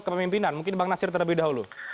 kepemimpinan mungkin bang nasir terlebih dahulu